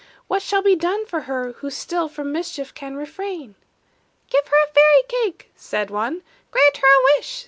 What shall be done for her who still From mischief can refrain?" "Give her a fairy cake!" said one; "Grant her a wish!"